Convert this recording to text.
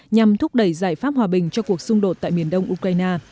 nhằm thúc đẩy giải pháp hòa bình cho cuộc xung đột tại miền đông ukraine